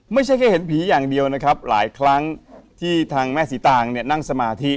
ไม่ใช่แค่เห็นผีอย่างเดียวนะครับหลายครั้งที่ทางแม่ศรีตางเนี่ยนั่งสมาธิ